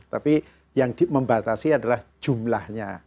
tapi yang membatasi adalah jumlahnya